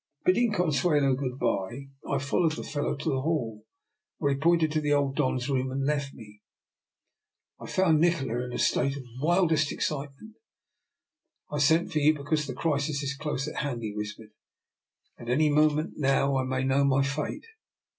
Bidding Consuelo good bye, I followed the fellow to the hall, where he pointed to the old Don's room and left me. I found Nikola in a state of the wildest excitement. " I sent for you because the crisis is close at hand," he whispered. '' At any moment now I may know my fate.